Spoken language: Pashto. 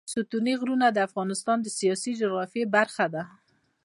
ستوني غرونه د افغانستان د سیاسي جغرافیه برخه ده.